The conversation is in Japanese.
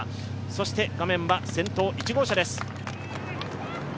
そして画面は先頭１号車です。